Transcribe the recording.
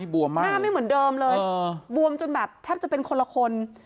หน้าไม่เหมือนเดิมเลยบวมจนแบบแทบจะเป็นคนละคน